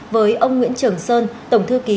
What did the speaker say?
với ông nguyễn trường sơn tổng thư ký